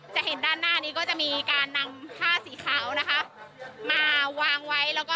จะเห็นด้านหน้านี้ก็จะมีการนำผ้าสีขาวนะคะ